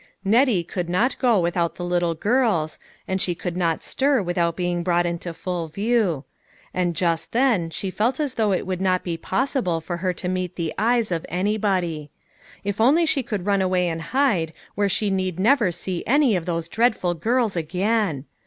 Nettie could not go without the little girls, and she could not stir without being brought into full view. And just then she felt as though it would not be possible for her to meet the eyes of anybody. If only she could run away and hide, where she need never see any of those dreadful girls again